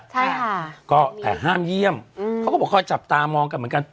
ใช่ค่ะก็แต่ห้ามเยี่ยมเขาก็บอกเขาจับตามองกันเหมือนกัน